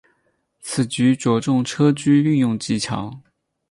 此局着重车卒运用技巧。